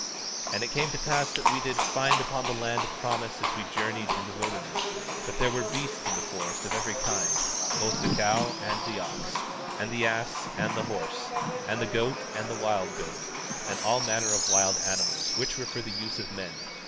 18:25 And it came to pass that we did find upon the land of promise, as we journeyed in the wilderness, that there were beasts in the forests of every kind, both the cow and the ox, and the ass and the horse, and the goat and the wild goat, and all manner of wild animals, which were for the use of men.